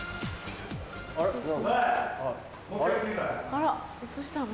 あらどうしたの？